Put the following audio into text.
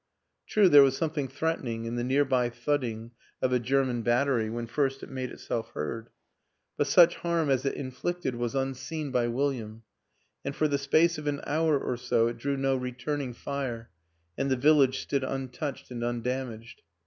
True there was something threatening in the near by thudding of a German battery when first it made itself heard. But such harm as it in flicted was unseen by William, and for the space of an hour or so it drew no returning fire and the village stood untouched and undamaged.